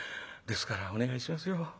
ですからお願いしますよ。